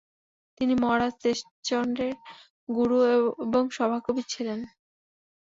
তিনি মহারাজ তেজশ্চন্দ্রের গুরু এবং সভাকবি ছিলেন।